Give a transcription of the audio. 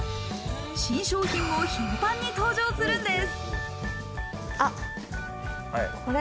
新商品も頻繁に登場するんです。